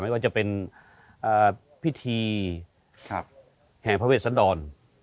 ไม่ว่าจะเป็นพิธีแห่งพระเวทย์สันดร